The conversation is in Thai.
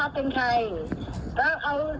แล้วเขาเอาลูกพี่ไปลงเพื่อ